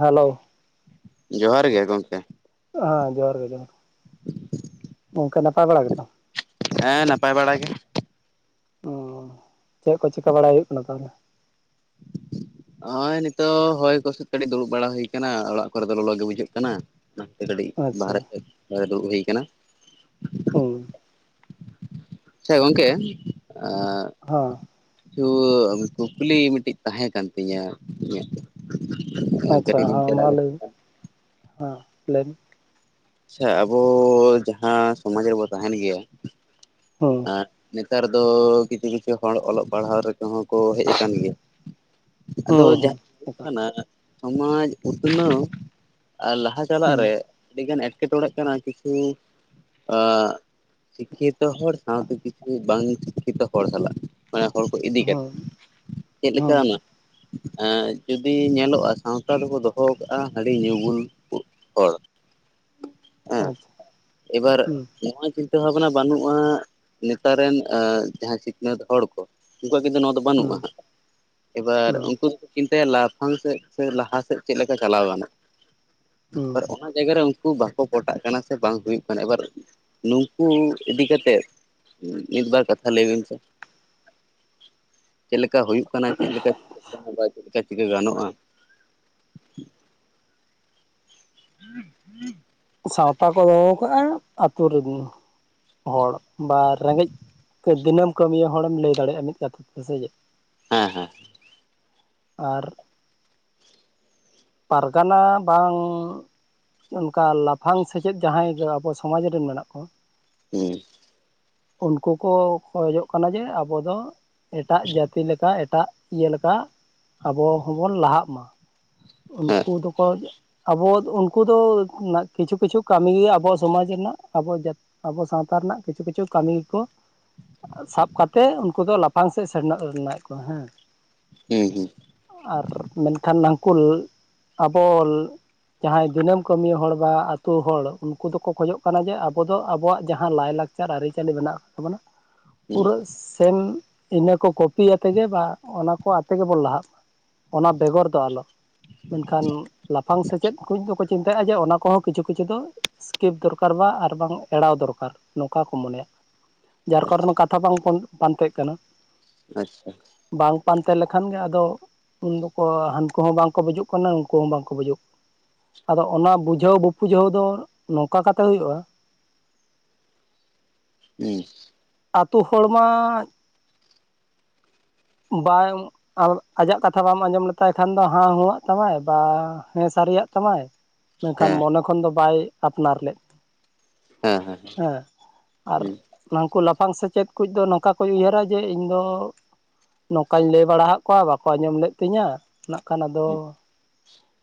Hello, ᱡᱚᱦᱟᱨ ᱜᱮ ᱜᱚᱝᱠᱮ, ᱦᱮᱸ, ᱡᱚᱦᱟᱨ ᱜᱮ ᱜᱚᱝᱠᱮ ᱱᱟᱯᱟᱭ ᱵᱟᱲᱟ ᱜᱮᱛᱚ? ᱦᱮᱸ, ᱱᱟᱯᱟᱭ ᱵᱟᱲᱟ ᱜᱮ᱾ ᱳ ᱪᱮᱫ ᱠᱚ ᱪᱮᱠᱟ ᱵᱟᱲᱟᱭ ᱦᱩᱭᱩᱜ ᱠᱟᱱᱟ ᱛᱟᱦᱚᱞᱮ? ᱱᱚᱜᱼᱚᱭ ᱱᱤᱛᱚᱜ ᱦᱚᱭ ᱠᱚ ᱥᱮ ᱠᱟᱹᱴᱤᱡ ᱫᱩᱲᱩᱵ ᱵᱟᱲᱟ ᱦᱩᱭ ᱟᱠᱟᱱᱟ ᱚᱲᱟᱜ ᱠᱚᱨᱮ ᱫᱚ ᱞᱚᱞᱚ ᱜᱮ ᱵᱩᱡᱷᱟᱹᱜ ᱠᱟᱱᱟ᱾ ᱚᱱᱟᱛᱮ ᱠᱟᱹᱴᱤᱡ ᱟᱪᱪᱷᱟ ᱵᱟᱨᱦᱮ ᱥᱮᱫ ᱫᱩᱲᱩᱵ ᱦᱩᱭ ᱟᱠᱟᱱᱟ᱾ ᱦᱚᱭ ᱟᱪᱪᱷᱟ, ᱜᱚᱝᱠᱮ ᱦ [unintelligible] ᱠᱤᱪᱷᱩ ᱠᱩᱠᱞᱤ ᱢᱤᱫᱴᱤᱡ ᱛᱟᱦᱮᱸ ᱠᱟᱱ ᱛᱤᱧᱟᱹ ᱤᱧᱟᱜ? ᱟᱪᱪᱷᱟ, ᱦᱮᱸ ᱢᱟ ᱞᱟᱹᱭ [inaudible] ᱦᱮᱸ ᱞᱟᱹᱭᱢᱮ ᱟᱪᱪᱷᱟ, ᱟᱵᱚ ᱡᱟᱦᱟᱸ ᱥᱚᱢᱟᱡᱽ ᱨᱮᱵᱚ ᱛᱟᱦᱮᱱ ᱜᱮᱭᱟ ᱦᱩᱸ ᱟᱨ ᱱᱤᱛ ᱱᱮᱛᱟᱨ ᱫᱚ ᱠᱤᱪᱷᱩ ᱠᱤᱪᱷᱩ ᱦᱚᱲ ᱚᱞᱚᱜ ᱯᱟᱲᱦᱟᱣ ᱨᱮᱠᱚᱦᱚᱸ ᱠᱚ ᱦᱮᱡ ᱟᱠᱟᱱ ᱜᱮᱭᱟ᱾ ᱟᱫᱚ ᱦᱩᱸ ᱦᱩᱸ ᱮᱠᱟᱞ ᱡᱟᱦᱟᱸᱱᱟᱜ ᱥᱚᱢᱟᱡᱽ ᱩᱛᱱᱟᱹᱣ ᱟᱨ ᱞᱟᱦᱟ ᱪᱟᱞᱟᱜ ᱦᱩᱸ ᱨᱮ ᱟᱹᱰᱤᱜᱟᱱ ᱮᱴ ᱮᱸᱴᱠᱮᱴᱚᱲᱮᱜ ᱠᱟᱱᱟ ᱠᱤᱪᱷᱩ ᱥᱤᱠᱠᱷᱤᱛᱚ ᱦᱚᱲ, ᱥᱟᱶᱛᱮ ᱠᱤᱪᱷᱩ ᱵᱟᱝ ᱥᱤᱠᱠᱷᱤᱛᱚ ᱦᱚᱲ ᱥᱟᱞᱟᱜ ᱢᱟᱱᱮ ᱦᱚᱲ ᱠᱚ ᱤᱫᱤ ᱦᱩᱸ ᱠᱟᱛᱮᱫ ᱪᱮᱫ ᱞᱮᱠᱟ ᱦᱩᱸ ᱡᱩᱫᱤ ᱧᱮᱞᱚᱜᱼᱟ, ᱥᱟᱶᱛᱟ ᱨᱮᱠᱚ ᱫᱚᱦᱚ ᱠᱟᱜᱼᱟ ᱦᱟᱺᱰᱤ ᱧᱩ ᱵᱩᱞ ᱠᱩ ᱦᱚᱲ᱾ ᱦᱮᱸ ᱟᱪᱪᱷᱟ ᱮᱵᱟᱨ ᱦᱩᱸ ᱱᱚᱣᱟ ᱠᱤᱱᱛᱩ ᱪᱤᱱᱛᱟᱹ ᱵᱷᱟᱵᱱᱟ ᱵᱟᱹᱱᱩᱜᱼᱟ ᱱᱮᱛᱟᱨ ᱨᱮᱱ ᱡᱟᱦᱟᱸ ᱥᱤᱠᱷᱱᱟᱹᱛ ᱦᱚᱲ ᱠᱚ ᱩᱱᱠᱩᱣᱟᱜ ᱠᱤᱱᱛᱩ ᱱᱚᱣᱟ ᱫᱚ ᱵᱟᱹᱱᱩᱜᱼᱟ ᱦᱩᱸ ᱦᱟᱸᱜ ᱮᱵᱟᱨ ᱦᱩᱸ ᱩᱱᱠᱩ ᱪᱤᱱᱛᱟᱹᱭᱟ ᱞᱟᱯᱷᱟᱝ ᱥᱮᱫ ᱥᱮ ᱞᱟᱦᱟ ᱥᱮᱫ ᱪᱮᱫ ᱞᱮᱠᱟ ᱪᱟᱞᱟᱣ ᱜᱟᱱᱚᱜ, ᱦᱩᱸ ᱟᱨ ᱚᱱᱟ ᱡᱟᱭᱜᱟ ᱨᱮ ᱩᱱᱠᱩ ᱵᱟᱠᱚ ᱯᱚᱴᱟᱜ ᱠᱟᱱᱟ ᱥᱮ ᱵᱟᱝ ᱦᱩᱭᱩᱜ ᱠᱟᱱᱟ ᱮᱵᱟᱨ ᱱᱩᱠᱩ ᱤᱫᱤ ᱠᱟᱛᱮᱫ ᱢᱤᱫ-ᱵᱟᱨ ᱠᱟᱛᱷᱟ ᱞᱟᱹᱭ ᱵᱮᱱ ᱥᱮ? ᱪᱮᱫ ᱞᱮᱠᱟ ᱦᱩᱭᱩᱜ ᱠᱟᱱᱟ ᱪᱮᱫ ᱞᱮᱠᱟ ᱠᱟᱱᱟ ᱵᱟᱭ ᱪᱤᱠᱟᱹ ᱠᱟᱱᱟ ᱪᱤᱠᱟᱹ ᱜᱟᱱᱚᱜᱼᱟ ᱦᱮᱸ ᱦᱩᱸ [unintelligible] ᱥᱟᱶᱛᱟ ᱠᱚ ᱫᱚᱦᱚ ᱟᱠᱟᱜ ᱟᱛᱳ ᱨᱮᱱ ᱦᱚᱲ ᱵᱟ ᱨᱮᱸᱜᱮᱡ ᱛᱮ ᱫᱤᱱᱟᱹᱢ ᱠᱟᱹᱢᱤᱭᱟᱹ ᱦᱚᱲᱮᱢ ᱞᱟᱹᱭ ᱫᱟᱲᱮᱭᱟᱜᱼᱟ ᱢᱤᱫ ᱠᱟᱛᱷᱟ ᱛᱮ ᱥᱮ ᱪᱮᱫ? ᱦᱮᱸ ᱦᱮᱸ ᱟᱨ ᱯᱟᱨᱜᱟᱱᱟ ᱵᱟᱝ ᱚᱱᱠᱟ ᱞᱟᱯᱷᱟᱝ ᱥᱮᱪᱮᱫ ᱡᱟᱦᱟᱸᱭ ᱟᱵᱚ ᱥᱚᱢᱟᱡᱽ ᱨᱮᱱ ᱢᱮᱱᱟᱜ ᱠᱚᱣᱟ᱾ ᱦᱮᱸ ᱩᱱᱠᱩ ᱠᱚ ᱠᱷᱚᱡᱚᱜ ᱠᱟᱱᱟ ᱡᱮ ᱟᱵᱚ ᱫᱚ ᱮᱴᱟᱜ ᱡᱟᱹᱛᱤ ᱞᱮᱠᱟ ᱮᱴᱟᱜ ᱤᱭᱟᱹ ᱞᱮᱠᱟ ᱟᱵᱚ ᱦᱚᱵᱚᱱ ᱞᱟᱦᱟᱜ ᱢᱟ᱾ ᱦᱮᱸ ᱩᱱᱠᱩ ᱫᱚ ᱟᱵᱚ ᱩᱱᱠᱩ ᱫᱚ ᱠᱤᱪᱷᱩ ᱠᱤᱪᱷᱩ ᱠᱟᱹᱢᱤ ᱜᱮ ᱟᱵᱚᱣᱟᱜ ᱥᱚᱢᱟᱡᱽ ᱨᱮᱱᱟᱜ ᱟᱵᱚ ᱡᱟ ᱟᱵᱚ ᱥᱟᱶᱛᱟ ᱨᱮᱱᱟᱜ ᱠᱤᱪᱷᱩ ᱠᱤᱪᱷᱩ ᱠᱟᱹᱢᱤ ᱜᱮᱠᱚ ᱥᱟᱵ ᱠᱟᱛᱮᱫ ᱩᱱᱠᱩ ᱫᱚ ᱞᱟᱯᱷᱟᱝ ᱥᱮᱫ ᱥᱮᱱᱚᱜ ᱥᱟᱱᱟᱭᱮᱫ ᱠᱚ᱾ ᱦᱮᱸ ᱦᱩᱸ ᱟᱨ ᱢᱮᱱᱠᱷᱟᱱ ᱱᱟᱱᱠᱩᱞ ᱟᱵᱚ ᱡᱟᱦᱟᱸᱭ ᱫᱤᱱᱟᱹᱢ ᱠᱟᱹᱢᱤ ᱦᱚᱲ ᱵᱟ ᱟᱹᱛᱩ ᱦᱚᱲ ᱩᱱᱠᱩ ᱫᱚᱠᱚ ᱠᱷᱚᱡᱚᱜ ᱠᱟᱱᱟ ᱡᱮ ᱟᱵᱚ ᱫᱚ ᱟᱵᱚᱣᱟᱜ ᱡᱟᱦᱟᱸ ᱞᱟᱭ -ᱞᱟᱠᱪᱟᱨ ᱟᱹᱨᱤᱪᱟᱹᱞᱤ ᱢᱮᱱᱟᱜ ᱟᱠᱟᱫ ᱛᱟᱵᱚᱱᱟ ᱯᱩᱨᱟᱹ ᱥᱮᱢ ᱤᱱᱟᱹ ᱠᱚ ᱠᱚᱯᱤ ᱟᱛᱮ ᱜᱮ ᱵᱟ ᱚᱱᱟ ᱠᱚ ᱟᱛᱮ ᱜᱮᱵᱚᱱ ᱞᱟᱦᱟᱜ-ᱢᱟ᱾ ᱚᱱᱟ ᱵᱮᱜᱚᱨ ᱫᱚ ᱟᱞᱚ᱾ ᱢᱮᱱᱠᱷᱟᱱ ᱞᱟᱯᱷᱟᱝ ᱥᱮᱪᱮᱫ ᱠᱚ ᱫᱚᱠᱚ ᱪᱤᱱᱛᱟᱹᱭᱼᱟ ᱡᱮ ᱚᱱᱟ ᱠᱚᱦᱚᱸ ᱠᱤᱪᱷᱩ ᱠᱤᱪᱷᱩ ᱫᱚ ᱥᱠᱨᱤᱯ ᱫᱚᱨᱠᱟᱨ ᱵᱟᱝ ᱟᱨ ᱵᱟᱝ ᱮᱲᱟᱣ ᱫᱚᱨᱠᱟᱨ ᱱᱚᱝᱠᱟ ᱠᱚ ᱢᱚᱱᱮᱭᱟ᱾ ᱡᱟᱨ ᱟᱪᱪᱷᱟ ᱠᱟᱨᱚᱱ ᱠᱟᱛᱷᱟ ᱵᱟᱝ ᱯᱟᱱᱛᱮᱜ ᱠᱟᱱᱟ᱾ ᱟᱪᱪᱷᱟ᱾ ᱵᱟᱝ ᱯᱟᱱᱛᱮ ᱞᱮᱠᱷᱟᱱ ᱜᱮ ᱟᱫᱚ ᱩᱱ ᱫᱚᱠᱚ ᱦᱟᱹᱱᱠᱩ ᱦᱚᱸ ᱵᱟᱝ ᱜᱩᱡᱩᱜ ᱵᱩᱡᱩᱜ ᱠᱟᱱᱟ ᱩᱱᱠᱩ ᱦᱚᱸ ᱵᱟᱝᱠᱚ ᱵᱩᱡᱷᱟᱹᱜ ᱠᱟᱱᱟ᱾ ᱟᱫᱚ ᱚᱱᱟ ᱵᱩᱡᱷᱟᱹᱣ ᱵᱩᱯᱩᱡᱷᱟᱹᱣ ᱫᱚ ᱱᱚᱝᱠᱟ ᱠᱟᱛᱮ ᱦᱩᱭᱩᱜᱼᱟ᱾ ᱦᱮᱸ ᱟᱹᱛᱩ ᱦᱚᱲᱢᱟ ᱵᱟᱝ ᱟᱨ ᱟᱡᱟᱜ ᱠᱟᱛᱷᱟ ᱵᱟᱢ ᱟᱸᱡᱚᱢ ᱞᱮᱛᱟᱭ ᱠᱷᱟᱱ ᱫᱚ ᱦᱟᱸ ᱦᱩᱸ ᱟᱜ-ᱛᱟᱢᱟᱭ ᱵᱟ ᱦᱮᱸ ᱥᱟᱨᱤᱭᱟᱜ ᱛᱟᱢᱟᱭ ᱢᱮᱱᱠᱷᱟᱱ ᱦᱮᱸ ᱢᱚᱱᱮ ᱠᱷᱚᱱ ᱫᱚ ᱵᱟᱭ ᱟᱯᱱᱟᱨ ᱞᱮᱫ ᱦᱮᱸ ᱦᱮᱸ ᱦᱮ ᱸ ᱟᱨ ᱦᱩᱸ ᱩᱱᱠᱩ ᱞᱟᱯᱷᱟᱝ ᱥᱮᱪᱮᱫ ᱠᱷᱚᱡ ᱫᱚᱭ ᱱᱚᱝᱠᱟ ᱠᱚ ᱩᱭᱦᱟᱹᱨ-ᱟ ᱡᱮ ᱤᱧ ᱫᱚ ᱱᱚᱝᱠᱟ ᱞᱟᱹᱭ ᱵᱟᱲᱟ ᱟᱠᱟᱫ ᱠᱚᱣᱟ ᱵᱟᱠᱚ ᱟᱸᱡᱚᱢ ᱞᱮᱫ ᱛᱤᱧᱟᱹ ᱱᱟᱝᱠᱷᱟᱱ ᱟᱫᱚ ᱦᱩᱸ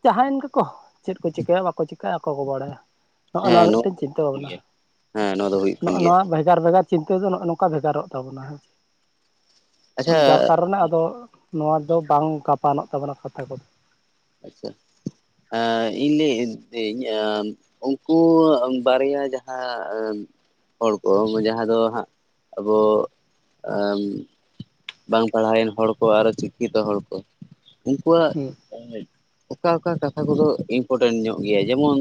ᱡᱟᱦᱟᱸᱭᱮᱱ ᱜᱮᱠᱚ ᱪᱮᱫ ᱠᱚ ᱪᱤᱠᱟᱹᱭᱟ ᱵᱟᱠᱚ ᱪᱤᱠᱟ ᱟᱠᱚ ᱠᱚ ᱵᱟᱲᱟᱭᱟ᱾ ᱱᱚᱜᱼᱚ ᱦᱮᱸ ᱱᱚᱣᱟ ᱫᱚ ᱢᱤᱫᱴᱮᱱ ᱪᱤᱱᱛᱟᱹ ᱦᱩᱭᱩᱜ ᱠᱟᱱ ᱵᱷᱟᱵᱽᱱᱟ ᱜᱮᱭᱟ ᱦᱮᱸ ᱱᱚᱣᱟ ᱫᱚ ᱦᱩᱭᱩᱜ ᱠᱟᱱ ᱱᱚᱜᱼᱚ ᱜᱮᱭᱟ ᱱᱚᱣᱟ [unintelligible] ᱵᱷᱮᱜᱟᱨ ᱵᱷᱮᱜᱟᱨ ᱪᱤᱱᱛᱟᱹ ᱫᱚ ᱱᱚᱜᱼ ᱱᱚᱝᱠᱟ ᱵᱷᱮᱜᱟᱨ-ᱚᱜ ᱛᱟᱵᱚᱱᱟ ᱦᱮᱸᱥ ᱟᱪᱪᱷᱟ ᱡᱟᱨ ᱠᱟᱨᱚᱱᱮ ᱟᱫᱚ ᱱᱚᱣᱟ ᱫᱚ ᱵᱟᱝ ᱜᱟᱯᱟᱱᱚᱜ ᱛᱟᱵᱚᱱᱟ ᱠᱟᱛᱷᱟ ᱠᱚᱫᱚ᱾ ᱟᱪᱪᱷᱟ ᱤᱧ ᱞᱟᱹᱭ [unintelligible] ᱩᱱᱠᱩ ᱵᱟᱨᱭᱟ ᱡᱟᱦᱟᱸ ᱦᱚᱲ ᱠᱚ ᱡᱟᱦᱟᱸ ᱫᱚ ᱦᱟᱸᱜ ᱟᱵᱚ ᱵᱟᱝ ᱯᱟᱲᱦᱟᱣᱮᱱ ᱦᱚᱲ ᱠᱚ ᱟᱨ ᱥᱤᱠᱷᱤᱛ ᱦᱚᱲ ᱠᱚ ᱩᱱᱠᱩᱣᱟᱜ ᱦᱩᱸ ᱚᱠᱟ ᱚᱠᱟ ᱠᱟᱛᱷᱟ ᱠᱚᱫᱚ ᱤᱢᱯᱚᱴᱮᱱᱴ ᱧᱚᱜ ᱜᱮᱭᱟ ᱡᱮᱢᱚᱱ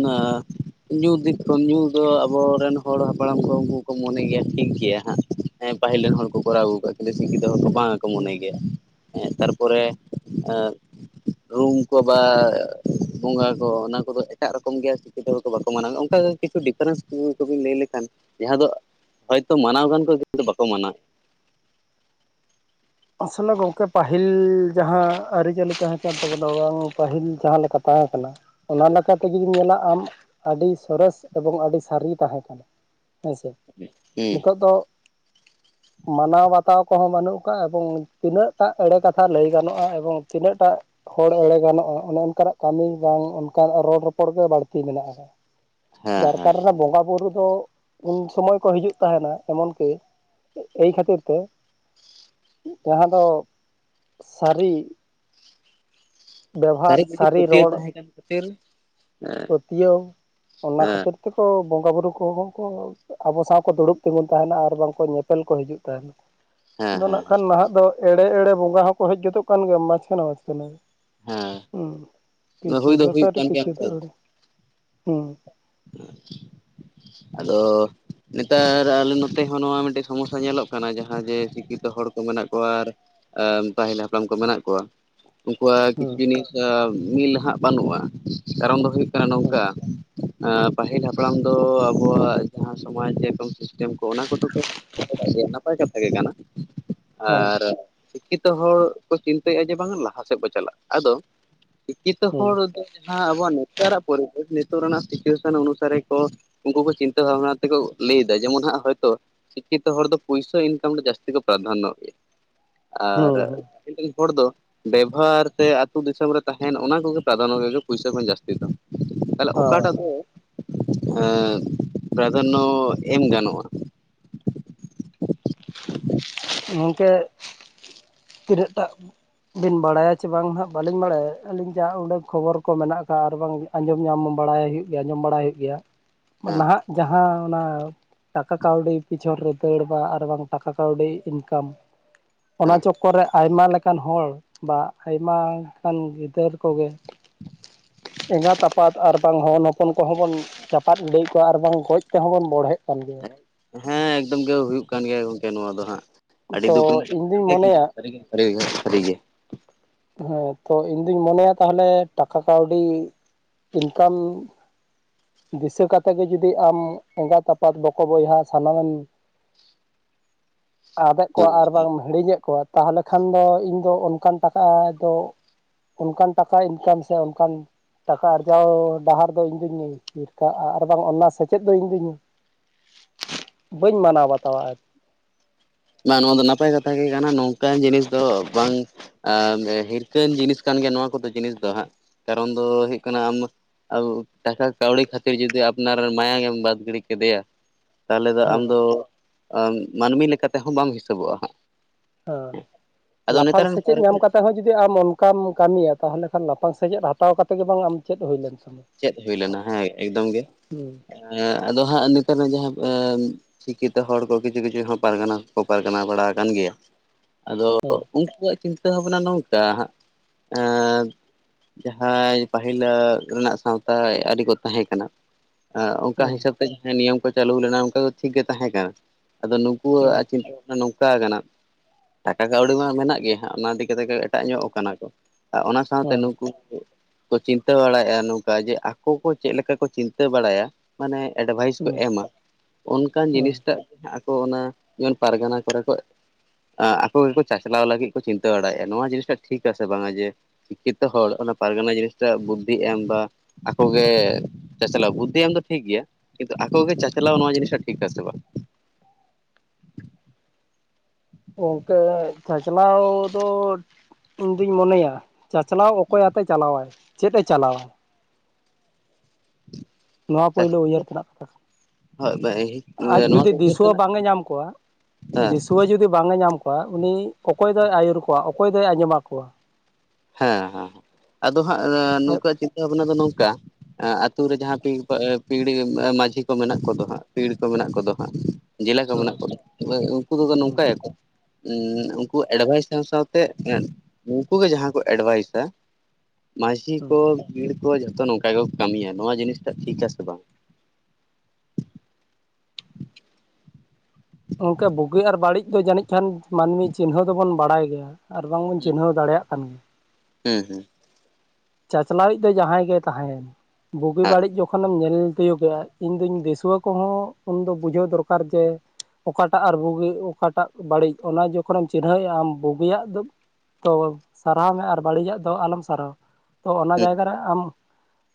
ᱧᱩ ᱫᱤᱠ ᱠᱷᱚᱱ ᱧᱩ ᱫᱚ ᱟᱵᱚᱨᱮᱱ ᱦᱚᱲ ᱦᱟᱯᱲᱟᱢ ᱠᱚ ᱩᱱᱠᱩ ᱠᱚ ᱢᱚᱱᱮ ᱜᱮᱭᱟ ᱴᱷᱤᱠ ᱜᱮᱭᱟ ᱦᱟᱸᱜ ᱦᱮᱸ ᱯᱟᱹᱦᱤᱞ ᱨᱮᱱ ᱦᱚᱲ ᱠᱚᱨᱟᱣ ᱟᱹᱜᱩ ᱠᱟᱫᱛᱮ ᱥᱤᱠᱤᱛᱩ ᱦᱚᱲ ᱠᱚ ᱵᱟᱝᱠᱚ ᱦᱩᱸ ᱢᱚᱱᱮ ᱜᱮᱭᱟ ᱛᱟᱨᱯᱚᱨᱮ [unintelligible] ᱨᱩᱢ ᱠᱚ ᱵᱟ ᱵᱚᱸᱜᱟ ᱠᱚ ᱚᱱᱟ ᱠᱚᱫᱚ ᱮᱴᱟᱜ ᱨᱚᱠᱚᱢ ᱜᱮᱭᱟ ᱪᱤᱠᱛᱮ ᱠᱚ ᱵᱟᱠᱚ ᱢᱟᱱᱟᱼᱟ ᱚᱱᱠᱟ ᱠᱤᱪᱷᱩ ᱰᱤᱯᱷᱟᱨᱮᱱᱥ ᱠᱚᱵᱤᱱ ᱞᱟᱹᱭ ᱞᱮᱠᱷᱟᱱ ᱡᱟᱦᱟᱸ ᱫᱚ ᱦᱚᱭᱛᱚ ᱢᱟᱱᱟᱣ ᱜᱟᱱ ᱠᱚ ᱠᱤᱱ ᱫᱚ ᱵᱟᱠᱚ ᱢᱟᱱᱟᱣᱟ ᱟᱥᱚᱞᱮ ᱜᱚᱝᱠᱮ ᱯᱟᱹᱦᱤᱞ ᱡᱟᱦᱟᱸ ᱟᱹᱨᱤᱪᱟᱹᱞᱤ ᱛᱟᱦᱮᱸ ᱠᱟᱱ ᱛᱟᱠᱚᱮ ᱫᱚ ᱵᱟᱝ ᱯᱟᱹᱦᱤᱞ ᱡᱟᱦᱟᱸ ᱞᱮᱠᱟ ᱛᱟᱦᱮᱸ ᱠᱟᱱᱟ ᱚᱱᱟ ᱞᱮᱠᱟᱛᱮ ᱡᱩᱫᱤᱢ ᱧᱮᱞᱟ ᱟᱢ ᱟᱹᱰᱤ ᱥᱚᱨᱮᱥ ᱮᱵᱚᱝ ᱟᱹᱰᱤ ᱥᱟᱹᱨᱤ ᱛᱟᱦᱮᱸ ᱠᱟᱱᱟ ᱦᱮᱸᱥᱮ ᱦᱮᱸ ᱱᱤᱛᱚᱜ ᱫᱚ ᱢᱟᱱᱟᱣ ᱵᱟᱛᱟᱣ ᱠᱚᱦᱚᱸ ᱵᱟᱹᱱᱩᱜ ᱠᱚᱣᱟ ᱾ ᱮᱵᱚᱝ ᱛᱤᱱᱟᱹᱜ ᱴᱟᱜ ᱮᱲᱮ ᱠᱟᱛᱷᱟ ᱞᱟᱹᱭ ᱜᱟᱱᱚᱜᱼᱟ ᱮᱵᱚᱝ ᱛᱤᱱᱟᱹᱜ ᱴᱟᱜ ᱦᱚᱲ ᱮᱲᱮ ᱜᱟᱱᱚᱜᱼᱟ ᱚᱱᱮ ᱚᱱᱠᱟᱱᱟᱜ ᱠᱟᱹᱢᱤ ᱵᱟᱝ ᱚᱱᱠᱟᱱᱟᱜ ᱨᱚᱲ ᱨᱚᱯᱚᱲ ᱜᱮ ᱵᱟᱹᱲᱛᱤ ᱢᱮᱱᱟᱜ ᱟᱠᱟᱫᱟ ᱦᱮᱸ ᱦᱮᱸ ᱡᱟᱨᱠᱟᱨᱚᱱᱮ ᱵᱚᱸᱜᱟ ᱵᱩᱨᱩ ᱫᱚ ᱩᱱ ᱥᱚᱢᱚᱭ ᱠᱚ ᱦᱤᱡᱩᱜ ᱛᱟᱦᱮᱱᱟ ᱮᱢᱚᱱ ᱠᱤ ᱮᱭ ᱠᱷᱟᱹᱛᱤᱨ ᱛᱮ ᱡᱟᱦᱟᱸ ᱫᱚ ᱥᱟᱹᱨᱤ ᱵᱮᱵᱦᱟᱨ ᱡᱩᱫᱤ ᱥᱟᱹᱨᱤ ᱯᱟᱹᱛᱭᱟᱹᱣ ᱨᱚᱲ [unintelligible] ᱯᱟᱹᱛᱭᱟᱹᱣ ᱚᱱᱟ ᱦᱮᱸ ᱠᱷᱟᱹᱛᱤᱨ ᱛᱮᱠᱚ ᱵᱚᱸᱜᱟ ᱵᱩᱨᱩ ᱠᱚᱦᱚᱸ ᱠᱚ ᱟᱵᱚ ᱥᱟᱶ ᱠᱚ ᱫᱩᱲᱩᱵ ᱛᱤᱜᱩᱱ ᱛᱟᱦᱮᱱᱟ ᱟᱨ ᱵᱟᱝᱠᱚ ᱧᱮᱯᱮᱞ ᱠᱚ ᱦᱤᱡᱩᱜ ᱛᱟᱦᱮᱱᱟ ᱦᱮᱸ ᱟᱫᱚ ᱱᱟᱜ ᱦᱮᱸ ᱠᱷᱟᱱ ᱱᱟᱦᱟᱜ ᱫᱚ ᱮᱲᱮ ᱮᱲᱮ ᱵᱚᱸᱜᱟ ᱦᱚᱸᱠᱚ ᱦᱮᱡ ᱜᱚᱫᱚᱜ ᱠᱟᱱ ᱜᱮᱭᱟ ᱢᱟᱪᱷᱠᱷᱟᱱᱮ ᱢᱟᱪᱷ ᱠᱷᱟᱱᱮ ᱦᱮᱸ ᱦᱸ ᱠᱤᱪᱷᱩ ᱦᱩᱭ ᱫᱚ ᱦᱩᱭᱩᱜ ᱥᱟᱹᱨᱤ ᱠᱟᱱ ᱜᱮᱭᱟ ᱠᱤᱪᱷᱩ ᱫᱚ ᱚᱱᱠᱟ ᱮᱲᱮ ᱦᱮᱸ [inaudible] ᱟᱫᱚᱳ ᱱᱮᱛᱟᱨ ᱟᱞᱮ ᱱᱚᱛᱮ ᱦᱚᱸ ᱱᱚᱣᱟ ᱢᱤᱫᱴᱮᱡ ᱥᱚᱢᱚᱥᱥᱟ ᱧᱮᱞᱚᱜ ᱠᱟᱱᱟ ᱡᱟᱦᱟᱸ ᱡᱮ ᱥᱤᱠᱠᱷᱤᱛᱚ ᱦᱚᱲ ᱠᱚ ᱢᱮᱱᱟᱜ ᱠᱚᱣᱟ ᱟᱨ ᱯᱟᱹᱦᱤᱞ ᱦᱟᱯᱲᱟᱢ ᱠᱚ ᱢᱮᱱᱟᱜ ᱠᱚᱣᱟ ᱩᱱᱠᱩᱣᱟᱜ ᱦᱩᱸ ᱠᱤᱪᱷᱩ ᱡᱤᱱᱤᱥ ᱢᱤᱞ ᱦᱟᱸᱜ ᱵᱟᱹᱱᱩᱜᱼᱟ ᱠᱟᱨᱚᱱ ᱫᱚ ᱦᱩᱭᱩᱜ ᱠᱟᱱᱟ ᱦᱩᱸ ᱱᱚᱝᱠᱟ ᱯᱟᱹᱦᱤᱞ ᱦᱟᱯᱲᱟᱢ ᱫᱚ ᱟᱵᱚᱣᱟᱜ ᱡᱟᱦᱟᱸ ᱥᱚᱢᱟᱡᱽ ᱡᱚᱠᱚᱢ ᱥᱤᱥᱴᱮᱢ ᱠᱚ ᱚᱱᱟ ᱠᱚᱫᱚ [unintelligible] ᱱᱟᱯᱟᱭ ᱠᱟᱛᱷᱟ ᱜᱮ ᱠᱟᱱᱟ ᱦᱮᱸ ᱟᱨ ᱥᱤᱠᱠᱷᱤᱛᱚ ᱦᱚᱲ ᱠᱚ ᱪᱤᱱᱛᱟᱹᱭᱮᱫᱼᱟ ᱡᱮ ᱵᱟᱝ ᱞᱟᱦᱟ ᱥᱮᱫ ᱵᱚᱱ ᱪᱟᱞᱟᱜᱼᱟ ᱟᱫᱚ ᱥᱤᱠᱷᱤᱛᱚ ᱦᱩᱸ ᱦᱚᱲ ᱫᱚ ᱡᱟᱦᱟᱸ ᱟᱵᱚᱣᱟᱜ ᱱᱮᱛᱟᱨᱟᱜ ᱯᱚᱨᱤᱵᱮᱥ ᱱᱤᱛᱚᱜ ᱨᱮᱱᱟᱜ ᱥᱮ ᱥᱤᱪᱩᱭᱮᱥᱚᱱ ᱩᱱᱩᱥᱟᱨᱮ ᱠᱚ ᱩᱱᱠᱩ ᱠᱚ ᱪᱤᱱᱛᱟᱹ ᱵᱷᱟᱵᱱᱟ ᱛᱮᱠᱚ ᱞᱟᱹᱭᱫᱟ ᱡᱮᱢᱚᱱ ᱦᱟᱸᱜ ᱦᱚᱭᱛᱚ ᱥᱤᱠᱠᱷᱤᱛ ᱦᱚᱲ ᱫᱚ ᱯᱚᱭᱥᱟ ᱤᱱᱠᱚᱢ ᱨᱮ ᱡᱟᱹᱥᱛᱤ ᱯᱚᱨᱫᱷᱟᱱᱚᱜ [inaudible] ᱟᱨ ᱦᱩᱸ ᱯᱟᱹᱦᱤᱞ ᱨᱮᱱ ᱦᱚᱲ ᱫᱚ ᱵᱮᱵᱚᱦᱟᱨ ᱥᱮ ᱟᱹᱛᱩ ᱫᱤᱥᱚᱢ ᱨᱮ ᱛᱟᱦᱮᱱ ᱚᱱᱟ ᱠᱚᱜᱮ ᱯᱨᱟᱫᱷᱟᱱᱱᱚ ᱯᱩᱭᱥᱟ ᱠᱷᱚᱱ ᱡᱟᱹᱥᱛᱤ ᱫᱚ ᱛᱟᱦᱚᱞᱮ ᱚᱠᱟᱴᱟᱜ ᱦᱮᱸ ᱫᱚ ᱯᱨᱟᱫᱷᱟᱱᱱᱚ ᱮᱢ ᱜᱟᱱᱚᱜᱼᱟ? ᱜᱝᱠᱮ ᱛᱤᱱᱟᱹᱜ ᱴᱟᱜ ᱵᱤᱱ ᱵᱟᱲᱟᱭᱟ ᱪᱮ ᱵᱟᱝ ᱦᱟᱜ ᱵᱟᱹᱞᱤᱧ ᱵᱟᱲᱟᱭᱟ ᱟᱹᱞᱤᱧ ᱡᱟ ᱚᱱᱰᱮ ᱠᱷᱚᱵᱚᱨ ᱠᱚ ᱢᱮᱱᱟᱜ ᱟᱠᱟᱫ ᱟᱨ ᱵᱟᱝ ᱟᱸᱡᱚᱢ ᱧᱟᱢ ᱵᱟᱲᱟᱭ ᱦᱩᱭᱩᱜ ᱜᱮᱭᱟ ᱟᱸᱡᱚᱢ ᱵᱟᱲᱟᱭ ᱦᱩᱭᱩᱜ ᱜᱮᱭᱟ ᱦᱮᱸ ᱱᱟᱦᱟᱜ ᱡᱟᱦᱟᱸ ᱚᱱᱟ ᱴᱟᱠᱟ ᱠᱟᱹᱣᱰᱤ ᱯᱤᱪᱷᱚᱱ ᱨᱮ ᱫᱟᱹᱲ ᱵᱟᱲᱟ ᱟᱨ ᱵᱟᱝ ᱴᱟᱠᱟ ᱠᱟᱹᱣᱰᱤ ᱤᱱᱠᱟᱢ ᱚᱱᱟ ᱪᱚᱠ ᱠᱚᱨᱮ ᱟᱭᱢᱟ ᱞᱮᱠᱟᱱ ᱦᱚᱲ ᱵᱟ ᱟᱭᱢᱟ ᱞᱮᱠᱟᱱ ᱜᱤᱫᱟᱹᱨ ᱠᱚᱜᱮ ᱮᱸᱜᱟᱛ ᱟᱯᱟᱛ ᱟᱨ ᱵᱟᱝ ᱦᱚᱱ ᱦᱚᱯᱚᱱ ᱠᱚᱦᱚᱸ ᱵᱚᱱ ᱪᱟᱯᱟᱫ ᱜᱤᱰᱤᱭᱮᱫ ᱠᱚᱣᱟ ᱟᱨ ᱵᱟᱝ ᱜᱚᱡ ᱛᱮᱦᱚᱸ ᱵᱚᱱ ᱵᱚᱲᱦᱮᱫ ᱠᱟᱱ ᱜᱮᱭᱟ ᱾ ᱦᱮᱸ ᱦᱮᱸ ᱮᱠᱫᱚᱢ ᱜᱮ ᱦᱩᱭᱩᱜ ᱠᱟᱱ ᱜᱮᱭᱟ ᱜᱚᱝᱠᱮ ᱱᱚᱣᱟ ᱫᱚ ᱦᱟᱸᱜ ᱟᱹᱰᱤ ᱫᱩᱠ ᱛᱚ ᱨᱮᱱᱟᱜ ᱤᱧ ᱠᱟᱛᱷᱟ ᱫᱩᱧ ᱠᱟᱱ ᱜᱮᱭᱟ ᱠᱤᱱᱛᱩ ᱢᱚᱱᱮᱭᱟ ᱥᱟᱹᱨᱤᱜᱮ ᱼᱼ ᱥᱟᱹᱨᱤ ᱜᱮ ᱥᱟᱹᱨᱤ ᱜᱮ ᱾ ᱦᱮᱸ ᱛᱚ ᱤᱧ ᱫᱩᱧ ᱢᱚᱱᱮᱭᱟ ᱛᱟᱦᱚᱞᱮ ᱴᱟᱠᱟ ᱠᱟᱹᱣᱰᱤ ᱤᱱᱠᱟᱢᱼᱼ ᱫᱤᱥᱟᱹ ᱠᱟᱛᱮ ᱜᱮ ᱡᱩᱫᱤ ᱟᱢ ᱮᱸᱜᱟᱛ ᱟᱯᱟᱛ ᱵᱚᱠᱚ ᱵᱚᱭᱦᱟ ᱥᱟᱱᱟᱢ ᱮᱢ ᱼᱼ ᱟᱫᱮᱜ ᱠᱚᱣᱟ ᱦᱮᱸ ᱟᱨᱵᱟᱝ ᱮᱢ ᱦᱤᱲᱤᱧᱮᱫ ᱠᱚᱣᱟ᱾ ᱛᱟᱦᱚᱞᱮ ᱠᱷᱟᱱ ᱫᱚ ᱤᱧ ᱫᱚ ᱚᱱᱠᱟᱱ ᱴᱟᱠᱟ ᱫᱚᱼᱼ ᱚᱱᱠᱟᱱ ᱴᱟᱠᱟ ᱤᱱᱠᱟᱢ ᱥᱮ ᱚᱱᱠᱟᱱ ᱴᱟᱠᱟ ᱟᱨᱡᱟᱣ ᱰᱟᱦᱟᱨ ᱫᱚ ᱤᱧᱫᱩᱧᱼᱼ ᱢᱤᱛᱟᱜᱼᱟ ᱟᱨ ᱵᱟᱝ ᱚᱱᱟ ᱥᱮᱪᱮᱫ ᱫᱚ ᱤᱧᱫᱩᱧ ᱵᱟᱹᱧ ᱢᱟᱱᱟᱣ ᱵᱟᱛᱟᱣᱟ ᱾ ᱟᱨ ᱼᱼ ᱚᱱᱟ ᱱᱚᱣᱟ ᱫᱚ ᱱᱟᱯᱟᱭ ᱠᱟᱛᱷᱟ ᱜᱮ ᱠᱟᱱᱟ ᱱᱚᱝᱠᱟᱱ ᱡᱤᱱᱤᱥ ᱫᱚ ᱵᱟᱝ ᱼᱼ ᱟᱨ ᱦᱤᱨᱠᱷᱟᱹᱟᱱ ᱡᱤᱱᱤᱥ ᱠᱟᱱ ᱜᱮᱭᱟ ᱱᱚᱣᱟ ᱠᱚᱫᱚ ᱡᱤᱱᱤᱥ ᱫᱚ ᱦᱟᱸᱜ᱾ ᱠᱟᱨᱚᱱ ᱫᱚ ᱦᱩᱭᱩᱜ ᱠᱟᱱᱟ ᱟᱢ ᱼᱼ ᱟᱨ ᱴᱟᱠᱟ ᱠᱟᱹᱣᱲᱤ ᱠᱷᱟᱹᱛᱤᱨ ᱡᱩᱫᱤ ᱟᱯᱱᱟᱨ ᱨᱮᱱ ᱢᱟᱭᱟᱢ ᱮᱢ ᱵᱟᱫᱽ ᱜᱤᱰᱤ ᱠᱮᱫᱮᱭᱟ ᱾ ᱛᱟᱦᱚᱞᱮ ᱫᱚ ᱟᱢ ᱦᱮᱸ ᱫᱚ ᱢᱟᱹᱱᱢᱤ ᱞᱮᱠᱟ ᱛᱮᱦᱚᱸ ᱵᱟᱢ ᱦᱤᱥᱟᱹᱵᱚᱜᱼᱟ ᱦᱟᱸᱜ ᱾ ᱚ ᱞᱟᱯᱷᱟᱝ ᱥᱮᱪᱮᱫ ᱧᱟᱢ ᱠᱟᱛᱮ ᱦᱚᱸ ᱡᱩᱫᱤ ᱟᱢ ᱚᱱ ᱼᱼ ᱼᱠᱟᱢ ᱠᱟᱹᱢᱤᱭᱟ ᱾ ᱛᱟᱦᱚᱞᱮ ᱠᱷᱟᱱ ᱞᱟᱯᱷᱟᱝ ᱥᱮᱪᱮᱫ ᱦᱟᱛᱟᱣ ᱠᱟᱛᱮᱜ ᱜᱮ ᱵᱟᱝ ᱟᱢ ᱪᱮᱫ ᱦᱩᱭᱞᱮᱱ ᱛᱟᱢᱟ? ᱪᱮᱫ ᱦᱩᱭ ᱞᱮᱱᱟ? ᱦᱮᱸ ᱮᱠᱫᱚᱢ ᱜᱮ ᱟᱫᱚ ᱦᱟᱸᱜ ᱱᱤᱛᱚᱱ ᱨᱮ ᱡᱟᱦᱟᱸᱼᱼ ᱪᱤᱠᱤ ᱛᱮ ᱦᱚᱲ ᱠᱚ ᱠᱤᱪᱷᱩ ᱠᱤᱪᱷᱩ ᱦᱚᱸ ᱯᱟᱨᱜᱟᱱᱟ ᱠᱚ ᱯᱟᱨᱜᱟᱱᱟ ᱵᱟᱲᱟ ᱟᱠᱟᱱ ᱜᱮᱭᱟ ᱾ ᱟᱫᱚᱼᱼ ᱦᱮᱸ᱾ ᱩᱱᱠᱩᱣᱟᱜ ᱪᱤᱱᱛᱟᱹ ᱵᱷᱟᱵᱱᱟ ᱱᱚᱝᱠᱟ ᱦᱟᱸᱜ ᱮᱸᱻ ᱡᱟᱦᱟᱸᱭ ᱯᱟᱹᱦᱤᱞᱟᱹᱜ ᱨᱮᱱᱟᱜ ᱥᱟᱶᱛᱟ ᱟᱹᱨᱤ ᱠᱚ ᱛᱟᱦᱮᱸ ᱠᱟᱱᱟ᱾ ᱚᱝᱠᱟ ᱦᱮᱸ ᱦᱤᱥᱟᱹᱵᱼᱼ ᱼᱛᱮ ᱱᱤᱭᱚᱢ ᱠᱚ ᱪᱟᱹᱞᱩ ᱞᱮᱱᱟ ᱚᱱᱠᱟ ᱫᱚ ᱴᱷᱤᱠ ᱜᱮ ᱛᱟᱦᱮᱸ ᱠᱟᱱᱟ ᱾ ᱟᱫᱚ ᱦᱮᱸ ᱱᱩᱝᱠᱩᱣᱟᱜ ᱪᱤᱱᱛᱟᱹ ᱵᱷᱟᱵᱽᱱᱟ ᱱᱚᱝᱠᱟᱣ ᱠᱟᱱᱟ ᱾ ᱴᱟᱠᱟ ᱠᱟᱹᱣᱰᱤ ᱢᱟ ᱢᱮᱱᱟᱜ ᱜᱮᱭᱟ ᱦᱟᱸᱜ ᱚᱱᱟ ᱤᱫᱤ ᱠᱟᱛᱮ ᱜᱮ ᱮᱴᱟᱜ ᱧᱚᱜ ᱟᱠᱟᱱᱟ ᱠᱚ ᱟᱨ ᱚᱱᱟ ᱥᱟᱶᱛᱮ ᱦᱮᱸ ᱱᱩᱠᱩᱼᱼ ᱠᱚ ᱪᱤᱱᱛᱟᱹ ᱵᱟᱲᱟᱭᱟᱮᱫᱼᱟ ᱱᱚᱝᱠᱟ, ᱡᱮ ᱟᱠᱚ ᱠᱚ ᱪᱮᱫ ᱞᱮᱠᱟ ᱠᱚ ᱪᱤᱱᱛᱟᱹ ᱵᱟᱲᱟᱭᱟ? ᱢᱟᱱᱮ ᱮᱰᱵᱷᱟᱭᱤᱥ ᱠᱚ ᱦᱮᱸ ᱮᱢᱟ, ᱚᱱᱠᱟᱱ ᱦᱮᱸ ᱡᱤᱱᱤᱥ ᱴᱟᱜᱼᱼ ᱦᱮᱱᱟᱜ ᱟᱠᱚ ᱚᱱᱟ ᱡᱮᱢᱚᱱ ᱯᱟᱨᱜᱟᱱᱟ ᱠᱚᱨᱮ ᱠᱚ ᱼᱼ ᱟᱠᱚ ᱜᱮᱠᱚ ᱪᱟᱪᱞᱟᱣ ᱞᱟᱹᱜᱤᱫ ᱠᱚ ᱪᱤᱱᱛᱟᱹ ᱵᱟᱲᱟᱭᱮᱜᱼᱟ ᱾ ᱱᱚᱣᱟ ᱡᱤᱱᱤᱥᱴᱟ ᱴᱷᱠᱟ ᱟᱥᱮ ᱵᱟᱝᱟ? ᱡᱮᱼᱼ ᱪᱤᱠᱤᱛᱮ ᱦᱚᱲ ᱚᱱᱟ ᱯᱟᱨᱜᱟᱱᱟ ᱡᱤᱱᱤᱥᱴᱟᱜ ᱵᱩᱫᱷᱤ ᱮᱢ ᱵᱟ ᱼᱼ ᱟᱠᱚᱜᱮ ᱪᱟᱪᱟᱞᱟᱣ, ᱵᱩᱫᱷᱤ ᱮᱢ ᱫᱚ ᱴᱷᱤᱠ ᱜᱮᱭᱟ ᱾ ᱠᱤᱱᱛᱩ ᱟᱠᱚᱜᱮ ᱪᱟᱪᱟᱞᱟᱣ ᱱᱚᱣᱟ ᱡᱤᱱᱤᱥ ᱴᱟᱜ ᱴᱷᱤᱠ ᱟᱥᱮ ᱵᱟᱝ? [inaudible] ᱜᱚᱝᱠᱮ ᱪᱟᱪᱟᱞᱟᱣ ᱫᱚᱻ ᱤᱧ ᱫᱩᱧ ᱢᱚᱱᱮᱭᱟ, ᱪᱟᱪᱟᱞᱟᱣ ᱚᱠᱚᱭ ᱟᱛᱮ ᱪᱟᱞᱟᱣᱟᱭ? ᱪᱮᱫ ᱮ ᱪᱟᱞᱟᱣᱟᱭ? ᱱᱚᱣᱟ ᱯᱳᱭᱞᱳ ᱩᱭᱦᱟᱹᱨ ᱛᱮᱱᱟᱜ ᱠᱟᱛᱷᱟ ᱾ ᱦᱳᱭ ᱟᱡ ᱱᱚᱣᱟ ᱡᱩᱫᱤ ᱫᱚ ᱩᱭᱦᱟᱹᱨ ᱫᱤᱥᱩᱣᱟᱹ ᱠᱟᱱᱟ ᱵᱟᱝ ᱮ ᱧᱟᱢ ᱠᱚᱣᱟ ᱦᱮᱸ ᱫᱤᱥᱩᱣᱟᱹ ᱡᱩᱫᱤ ᱵᱟᱝ ᱮ ᱧᱟᱢ ᱼᱼ ᱠᱚᱣᱟ ᱾ ᱩᱱᱤ ᱚᱠᱚᱭ ᱫᱚᱭ ᱟᱹᱭᱩᱨ ᱠᱚᱣᱟ? ᱚᱠᱚᱭ ᱫᱚᱭ ᱟᱸᱡᱚᱢ ᱟᱠᱚᱣᱟ? ᱦᱮᱸ ᱦᱮᱸ ᱟᱫᱚ ᱦᱟᱸᱜ ᱱᱩᱠᱩᱣᱟᱜ ᱪᱤᱱᱛᱟᱹ ᱵᱷᱟᱵᱱᱟ ᱫᱚ ᱱᱚᱝᱠᱟ ᱼᱼ ᱮᱸ ᱟᱛᱩ ᱨᱮ ᱡᱟᱦᱟᱸ ᱯᱤᱲ ᱠᱚ ᱮ ᱯᱤᱲ ᱢᱟᱹᱡᱷᱤ ᱠᱚ ᱢᱮᱱᱟᱜ ᱠᱚᱫᱚ ᱦᱟᱸᱜ, ᱯᱤᱲ ᱠᱚ ᱢᱮᱱᱟᱜ ᱠᱚᱫᱚ ᱦᱟᱸᱜᱼᱼ ᱡᱮᱞᱟ ᱠᱚ ᱢᱮᱱᱟᱜ ᱦᱩᱸ ᱠᱚᱫᱟ ᱩᱱᱠᱩ ᱫᱚ ᱠᱚ ᱦᱩᱸ ᱱᱚᱝᱠᱟᱭ ᱟᱠᱚᱼᱼ ᱩᱸᱻ ᱩᱱᱠᱩᱣᱟᱜ ᱮᱰᱵᱷᱟᱭᱤᱥ ᱥᱟᱶ ᱥᱟᱶᱛᱮ ᱮᱸᱜ ᱩᱱᱠᱩᱜᱮ ᱡᱟᱦᱟᱸ ᱠᱚ ᱼᱼ ᱮᱰᱵᱷᱟᱭᱤᱥᱟ ᱢᱟᱡᱷᱤ ᱦᱩᱸ ᱠᱚᱼᱼ ᱯᱤᱲ ᱠᱚ ᱡᱷᱚᱛᱚ ᱱᱚᱝᱠᱟ ᱜᱮᱠᱚ ᱠᱟᱹᱢᱤᱭᱟ ᱾ ᱱᱚᱣᱟ ᱡᱤᱱᱤᱥ ᱴᱟᱜ ᱴᱷᱤᱠ ᱟᱥᱮ ᱵᱟᱝ? ᱚᱝᱠᱟ ᱵᱳᱜᱮ ᱟᱨ ᱵᱟᱹᱲᱤᱡ ᱫᱚ ᱡᱟᱹᱱᱤᱡ ᱠᱷᱟᱱ ᱢᱟᱹᱱᱢᱤ ᱪᱤᱱᱦᱟᱹᱣ ᱫᱚᱵᱚᱱ ᱵᱟᱲᱟᱭ ᱜᱮᱭᱟ᱾ ᱟᱨ ᱵᱟᱝ ᱵᱚᱱ ᱪᱤᱱᱦᱟᱹᱣ ᱫᱟᱲᱮᱭᱟᱜ ᱠᱟᱱᱟ᱾ ᱦᱩᱸ ᱦᱩᱸ ᱾ ᱪᱟᱪᱟᱞᱟᱣᱤᱡ ᱫᱚ ᱡᱟᱦᱟᱸᱭ ᱜᱮ ᱛᱟᱦᱮᱭᱮᱱ ᱵᱩᱜᱤ ᱦᱮᱸ ᱵᱟᱹᱲᱤᱡ ᱡᱚᱠᱷᱚᱱᱮᱢ ᱧᱮᱞ ᱼᱼ ᱛᱤᱭᱳᱜᱮᱜᱼᱟ᱾ ᱤᱧᱫᱩᱧ ᱫᱤᱥᱤᱣᱟᱹ ᱠᱚᱦᱚᱸ ᱩᱱᱫᱚ ᱵᱩᱡᱷᱟᱹᱣ ᱫᱚᱨᱠᱟᱨ ᱡᱮ ᱼᱼ ᱚᱠᱟᱴᱟᱜ ᱟᱨ ᱵᱩᱜᱤ ᱚᱠᱟᱴᱟᱜ ᱵᱟᱹᱲᱤᱡ ᱚᱱᱟ ᱡᱚᱠᱷᱚᱱᱮᱢ ᱪᱤᱱᱦᱟᱹᱣᱮᱜᱼᱟ ᱟᱢ ᱵᱩᱜᱤᱭᱟᱜ ᱫᱚ ᱼᱼ ᱫᱚ ᱥᱟᱨᱦᱟᱣ ᱢᱮ ᱟᱨ ᱵᱟᱹᱲᱤᱡᱟᱜ ᱫᱚ ᱟᱞᱚᱢ ᱥᱟᱨᱦᱟᱣᱟ ᱾ ᱛᱚ ᱚᱱᱟ ᱦᱩᱸ ᱡᱟᱭᱜᱟ ᱨᱮ ᱟᱢ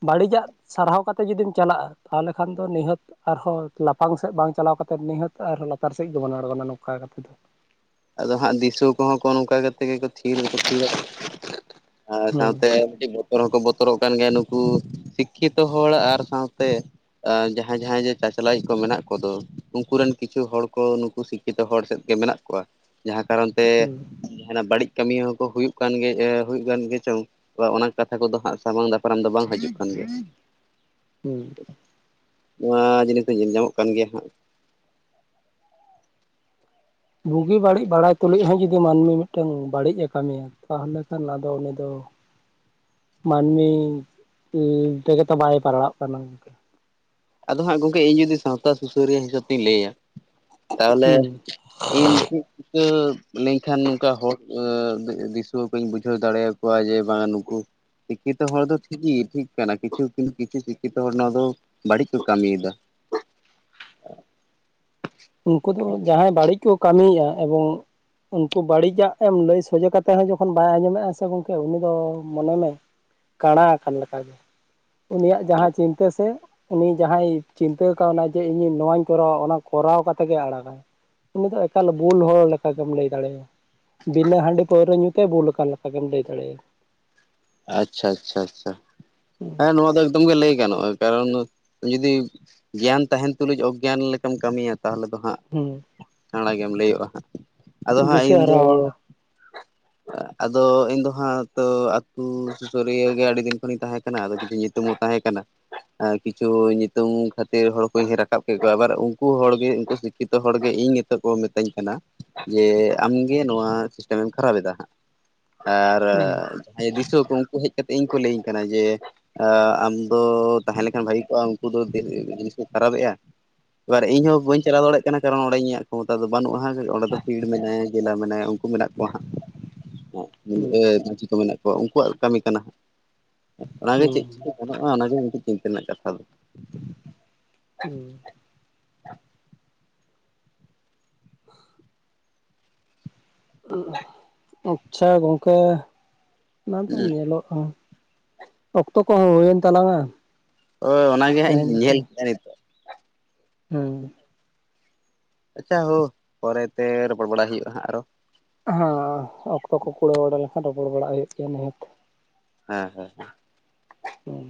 ᱵᱟᱹᱲᱤᱡᱟᱜ ᱥᱟᱨᱦᱟᱣ ᱠᱟᱛᱮ ᱡᱩᱫᱤᱢ ᱪᱟᱞᱟᱜᱼᱟ ᱛᱟᱦᱚᱞᱮ ᱠᱷᱟᱱ ᱫᱚ ᱱᱤᱦᱟᱹᱛ ᱼᱼ ᱟᱨᱦᱚᱸ ᱞᱟᱯᱷᱟᱝ ᱥᱮᱫ ᱵᱟᱝ ᱪᱟᱞᱟᱣ ᱠᱟᱛᱮᱫ ᱱᱤᱦᱟᱹᱛ ᱟᱨᱦᱚᱸ ᱞᱟᱛᱟᱨ ᱥᱮᱫ ᱜᱮᱵᱚᱱ ᱟᱬᱜᱚᱱᱟ ᱱᱚᱝᱠᱟ ᱠᱟᱛᱮ ᱫᱚ ᱾ ᱟᱫᱚ ᱦᱟᱸᱜ ᱫᱤᱥᱟᱹ ᱠᱚᱦᱚᱸ ᱠᱚ ᱱᱚᱝᱠᱟ ᱠᱟᱛᱮᱜ ᱜᱮ ᱛᱷᱤᱨ ᱦᱚᱸᱠᱚ ᱛᱷᱤᱨ ᱟᱠᱟᱱ ᱜᱮᱭᱟ ᱟᱨ ᱦᱩᱸ ᱥᱟᱶᱛᱮ ᱢᱤᱫᱴᱤᱡ ᱵᱚᱛᱚᱨ ᱦᱚᱸᱠᱚ ᱵᱚᱛᱚᱨᱚᱜ ᱠᱟᱱ ᱜᱮᱭᱟ ᱱᱩᱠᱩ ᱥᱤᱠᱠᱷᱤᱛᱚ ᱦᱚᱲ ᱟᱨ ᱥᱟᱶᱛᱮ ᱟᱸ ᱡᱟᱸᱦᱟᱭ ᱡᱟᱦᱟᱸᱭ ᱡᱮ ᱪᱟᱪᱞᱟᱭᱤᱡ ᱠᱚ ᱢᱮᱱᱟᱜ ᱠᱚᱫᱚ᱾ ᱩᱱᱠᱩ ᱨᱮᱱ ᱠᱤᱪᱷᱩ ᱦᱚᱲ ᱠᱚ ᱱᱩᱠᱩ ᱥᱤᱠᱷᱤ ᱛᱚ ᱦᱚᱲ ᱥᱮᱫ ᱜᱮ ᱢᱮᱱᱟᱜ ᱠᱚᱣᱟ ᱡᱟᱦᱟᱸ ᱠᱟᱨᱚᱱ ᱛᱮ ᱦᱩᱸ ᱡᱟᱦᱱᱟᱜ ᱵᱟᱹᱲᱤᱡ ᱠᱟᱹᱢᱤ ᱦᱚᱸᱠᱚ ᱦᱩᱭᱩᱜ ᱠᱟᱱ ᱜᱮ ᱦᱩᱭᱩᱜ ᱠᱟᱱ ᱜᱮ ᱪᱚᱝ ᱵᱟ ᱚᱱᱟ ᱠᱟᱛᱷᱟ ᱠᱚᱫᱚ ᱦᱟᱸᱜ ᱥᱟᱢᱟᱝ ᱫᱟᱯᱨᱟᱢ ᱫᱚ ᱵᱟᱝ ᱦᱤᱡᱩᱜ ᱠᱟᱱ ᱜᱮᱭᱟ ᱦᱩᱸ ᱱᱚᱣᱟ ᱡᱤᱱᱤᱥ ᱫᱚ ᱧᱮᱞ ᱧᱟᱢᱚᱜ ᱠᱟᱱ ᱜᱮᱭᱟ ᱦᱟᱸᱜ ᱵᱩᱜᱤ ᱵᱟᱹᱲᱤᱡ ᱵᱟᱲᱟᱭ ᱛᱩᱞᱩᱡ ᱦᱚᱸ ᱡᱩᱫᱤ ᱢᱟᱹᱱᱢᱤ ᱢᱤᱫᱴᱟᱝ ᱵᱟᱹᱲᱤᱡ ᱮ ᱠᱟᱹᱢᱤᱭᱟ ᱛᱟᱦᱚᱞᱮ ᱠᱷᱟᱱ ᱟᱫᱚ ᱩᱱᱤ ᱫᱚ ᱢᱟᱹᱱᱢᱤ ᱛᱮᱜᱮ ᱛᱚ ᱵᱟᱭ ᱯᱟᱲᱟᱜ ᱠᱟᱱᱟ ᱟᱫᱚ ᱦᱟᱸᱜ ᱜᱚᱝᱠᱮ ᱤᱧ ᱡᱩᱫᱤ ᱥᱟᱶᱛᱟ ᱥᱩᱥᱟᱹᱨᱤᱭᱟᱹ ᱦᱤᱥᱟᱹᱵ ᱛᱤᱧ ᱞᱟᱹᱭᱟ ᱛᱟᱦᱚᱞᱮ ᱦᱩᱸ ᱤᱧ ᱪᱤᱠᱟᱹ ᱞᱮᱧᱠᱷᱟᱱ ᱱᱚᱝᱠᱟ ᱦᱚᱲ ᱫᱤᱥᱩᱣᱟᱹ ᱠᱚᱧ ᱵᱩᱡᱷᱟᱹᱣ ᱫᱟᱲᱮᱭᱟ ᱠᱚᱣᱟ ᱡᱮ ᱵᱟᱝᱟ ᱱᱩᱠᱩ ᱥᱤᱠᱠᱷᱤ ᱛᱚ ᱦᱚᱲ ᱫᱚ ᱴᱷᱤᱠ ᱜᱮ ᱴᱷᱤᱠ ᱠᱟᱱᱟ ᱠᱤᱪᱷᱩ ᱠᱤᱱᱛᱩ ᱠᱤᱪᱷᱩ ᱥᱤᱠᱷᱤᱛᱚ ᱦᱚᱲ ᱱᱚᱣᱟ ᱫᱚ ᱵᱟᱹᱲᱤᱡ ᱠᱚ ᱠᱟᱹᱢᱤ ᱭᱮᱫᱟ ᱩᱱᱠᱩ ᱫᱚ ᱡᱟᱦᱟᱸᱭ ᱵᱟᱹᱲᱤᱡ ᱠᱚ ᱠᱟᱹᱢᱤᱭᱟ ᱮᱵᱚᱝ ᱩᱱᱠᱩ ᱵᱟᱹᱲᱤᱡᱟᱜ ᱮᱢ ᱞᱟᱹᱭ ᱥᱚᱡᱷᱮ ᱠᱟᱛᱮ ᱦᱚᱸ ᱡᱚᱠᱷᱚᱱ ᱵᱟᱭ ᱟᱸᱡᱚᱢᱮᱜᱼᱟ ᱥᱮ ᱜᱚᱝᱠᱮ ᱩᱱᱤ ᱫᱚ ᱢᱚᱱᱮ ᱢᱮ ᱠᱟᱬᱟ ᱟᱠᱟᱱ ᱞᱮᱠᱟ ᱜᱮ ᱩᱱᱤᱭᱟᱜ ᱡᱟᱦᱟᱸ ᱪᱤᱱᱛᱟᱹ ᱥᱮ ᱩᱱᱤ ᱡᱟᱦᱟᱸᱭ ᱪᱤᱱᱛᱟᱹ ᱠᱟᱣᱱᱟ ᱡᱮ ᱤᱧ ᱱᱚᱣᱟᱧ ᱠᱚᱨᱟᱣᱟ ᱚᱱᱟ ᱠᱚᱨᱟᱣ ᱠᱟᱛᱮ ᱜᱮᱭ ᱟᱲᱟᱜᱟ ᱩᱱᱤ ᱫᱚ ᱮᱠᱟᱞ ᱵᱩᱞ ᱦᱚᱲ ᱞᱮᱠᱟ ᱜᱮᱢ ᱞᱟᱹᱭ ᱫᱟᱲᱮᱭᱟ ᱾ ᱵᱤᱱᱟᱹ ᱦᱟᱺᱰᱤ ᱯᱟᱹᱣᱨᱟᱹ ᱧᱩ ᱛᱮ ᱵᱩᱞ ᱠᱟᱱ ᱞᱮᱠᱟ ᱜᱮᱢ ᱞᱟᱹᱭ ᱫᱟᱲᱮᱭᱟ ᱟᱪᱪᱷᱟ ᱪᱷᱟ ᱪᱷᱟ ᱦᱮᱸ ᱱᱚᱣᱟ ᱫᱚ ᱮᱠᱫᱚᱢ ᱜᱮ ᱞᱟᱹᱭ ᱜᱟᱱᱚᱜᱼᱟ ᱠᱟᱨᱚᱱ ᱡᱩᱫᱤ ᱜᱮᱭᱟᱱ ᱛᱟᱦᱮᱱ ᱛᱩᱞᱩᱡ ᱚᱜᱽᱜᱭᱟᱱᱤ ᱞᱮᱠᱟᱢ ᱠᱟᱹᱢᱤᱭᱟ ᱛᱟᱦᱚᱞᱮ ᱫᱚ ᱦᱟᱸᱜ ᱦᱩᱸ ᱠᱟᱬᱟ ᱜᱮᱢ ᱞᱟᱹᱭᱚᱜᱼᱟ ᱦᱟᱸᱜ ᱟᱫᱚ ᱦᱟᱸᱜ ᱫᱤᱥᱟᱹ ᱦᱟᱨᱟ ᱤᱧᱫᱚ ᱦᱚᱲ ᱟᱫᱚ ᱤᱧ ᱫᱚ ᱦᱟᱸᱜ ᱛᱚ ᱥᱩᱥᱟᱹᱨᱤᱭᱟᱹ ᱜᱮ ᱟᱹᱰᱤ ᱫᱤᱱ ᱠᱷᱚᱱᱤᱧ ᱛᱟᱦᱮᱸ ᱠᱟᱱᱟ ᱟᱫᱚ ᱠᱤᱪᱷᱩ ᱧᱩᱛᱩᱢ ᱦᱚᱸ ᱛᱟᱦᱮᱸ ᱠᱟᱱᱟ ᱠᱤᱪᱷᱩ ᱧᱩᱛᱩᱢ ᱠᱷᱟᱹᱛᱤᱨ ᱦᱚᱲ ᱠᱚ ᱨᱟᱠᱟᱵ ᱠᱮᱫ ᱠᱚᱣᱟ ᱟᱵᱟᱨ ᱩᱱᱠᱩ ᱦᱚᱲ ᱜᱮ ᱩᱱᱠᱩ ᱡᱚᱛᱚ ᱦᱚᱲ ᱜᱮ ᱤᱧ ᱱᱤᱛᱚᱜ ᱠᱚ ᱢᱤᱛᱟᱹᱧ ᱠᱟᱱᱟ ᱡᱮ ᱟᱢᱜᱮ ᱱᱚᱣᱟ ᱥᱤᱥᱴᱮᱢ ᱮᱢ ᱠᱷᱟᱨᱟᱯ ᱮᱫᱟ ᱦᱟᱸᱜ ᱾ ᱟᱨ ᱦᱩᱸ ᱡᱟᱦᱟᱸᱭ ᱫᱤᱥᱣᱟᱹ ᱠᱚ ᱩᱱᱠᱩ ᱦᱮᱡ ᱠᱟᱛᱮᱫ ᱤᱧ ᱠᱚ ᱞᱟᱹᱭᱟᱹᱧ ᱠᱟᱱᱟ ᱡᱮ ᱟᱢ ᱫᱚ ᱛᱟᱦᱮᱸ ᱞᱮᱠᱷᱟᱱ ᱵᱷᱟᱹᱜᱤ ᱠᱚᱜᱼᱟ ᱩᱱᱠᱩ ᱫᱚ ᱡᱤᱱᱤᱥ ᱠᱚ ᱠᱷᱟᱨᱟᱯᱮᱜᱼᱟ ᱮᱵᱟᱨ ᱤᱧ ᱦᱚᱸ ᱵᱟᱹᱧ ᱪᱟᱞᱟᱣ ᱫᱟᱲᱮᱭᱟᱜ ᱠᱟᱱᱟ ᱠᱟᱨᱚᱱ ᱚᱸᱰᱮ ᱤᱧᱟᱜ ᱠᱷᱚᱢᱚᱛᱟ ᱫᱚ ᱵᱟᱹᱱᱩᱜᱼᱟ ᱚᱸᱰᱮ ᱫᱚ ᱯᱤᱲ ᱢᱮᱱᱟᱭᱟ ᱡᱮᱞᱟ ᱢᱮᱱᱟᱭᱟ ᱢᱮᱱᱟᱜ ᱠᱚᱣᱟ ᱦᱟᱸᱜ [inaudible] ᱠᱚ ᱢᱮᱱᱟᱜ ᱠᱚᱣᱟ ᱩᱱᱠᱩᱣᱟᱜ ᱠᱟᱹᱢᱤ ᱠᱟᱱᱟ ᱦᱟᱸᱜ ᱚᱱᱟᱜᱮ ᱪᱮᱫ ᱦᱩᱸ ᱪᱤᱠᱟᱹ ᱜᱟᱱᱚᱜᱼᱟ ᱚᱱᱟᱜᱮ ᱢᱤᱫᱴᱮᱱ ᱪᱤᱱᱛᱟᱹ ᱨᱮᱱᱟᱜ ᱠᱟᱛᱷᱟ ᱫᱚ ᱾ ᱦᱩᱸ [inaudible] ᱟᱪᱪᱷᱟ ᱜᱚᱝᱠᱮ ᱚᱱᱟ ᱫᱚ ᱧᱮᱞᱚᱜᱼᱟ ᱚᱠᱛᱚ ᱠᱚᱦᱚᱸ ᱦᱩᱭᱮᱱ ᱛᱟᱞᱟᱝᱟ ᱦᱳᱭ ᱚᱱᱟ ᱜᱮ ᱦᱟᱸᱜ ᱛᱮᱦᱮᱧ ᱤᱧ ᱧᱮᱞ ᱠᱮᱫᱟ ᱱᱤᱛᱚᱜ ᱦᱩᱸ ᱟᱪᱪᱷᱟ ᱦᱳ ᱯᱚᱨᱮᱛᱮ ᱨᱚᱯᱚᱲ ᱵᱟᱲᱟᱜ ᱦᱩᱭᱩᱜᱼᱟ ᱦᱟᱸᱜ ᱟᱨᱚ ᱦᱮᱸ ᱚᱠᱛᱚ ᱠᱚ ᱠᱩᱲᱟᱹᱣ ᱵᱟᱲᱟ ᱞᱮᱱᱠᱷᱟᱱ ᱨᱚᱯᱚᱲ ᱵᱟᱲᱟᱜ ᱦᱩᱭᱩᱜ ᱜᱮᱭᱟ ᱱᱤᱦᱟᱹᱛ ᱦᱮᱸ ᱦᱮᱸᱮᱸ ᱦᱩᱸ